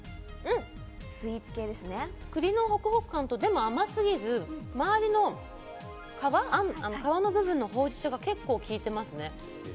栗のホクホク感と、でも甘すぎず、皮の部分のほうじ茶が結構、効いてますね。